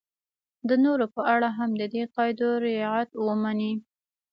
د نورو په اړه هم د دې قاعدو رعایت ومني.